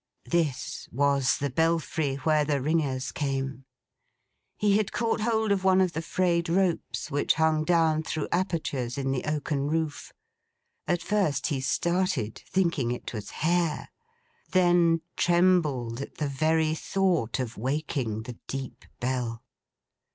This was the belfry, where the ringers came. He had caught hold of one of the frayed ropes which hung down through apertures in the oaken roof. At first he started, thinking it was hair; then trembled at the very thought of waking the deep Bell.